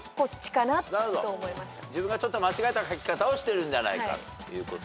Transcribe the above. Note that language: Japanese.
自分が間違えた書き方をしてるんじゃないかと。